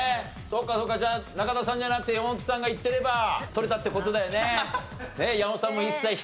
じゃあ中田さんじゃなくて山本さんがいってれば取れたって事だよね。